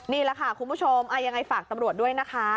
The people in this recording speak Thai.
นี่แหละค่ะคุณผู้ชมยังไงฝากตำรวจด้วยนะคะ